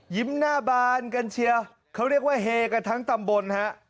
หน้าบานกันเชียวเขาเรียกว่าเฮกันทั้งตำบลฮะ